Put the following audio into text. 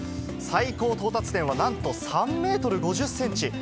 最高到達点はなんと３メートル５０センチ。